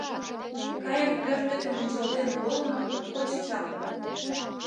Кайык пӧрт деке мунчалтен волымо моткоч чапле!